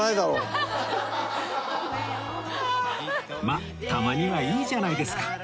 まあたまにはいいじゃないですか